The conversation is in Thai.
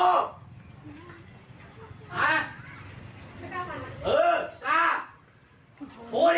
เออเอาขวดมาดิ